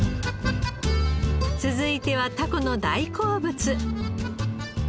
続いてはタコの大好物。